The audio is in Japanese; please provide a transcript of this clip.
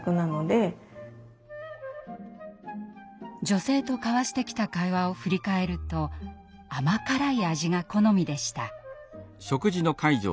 女性と交わしてきた会話を振り返ると甘辛い味が好みでした。